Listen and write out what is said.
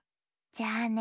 じゃあね